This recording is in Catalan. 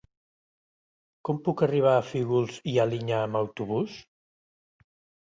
Com puc arribar a Fígols i Alinyà amb autobús?